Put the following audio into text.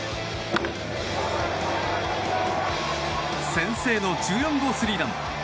先制の１４号スリーラン！